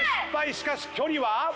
しかし距離は？